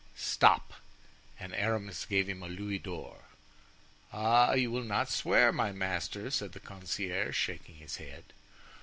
"Stop," and Aramis gave him a louis d'or. "Ah! you will not swear, my master," said the concierge, shaking his head.